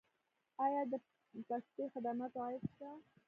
آیا د پستي خدماتو عاید شته؟